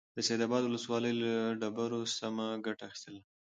د سيدآباد ولسوالۍ له ډبرو سمه گټه اخيستل: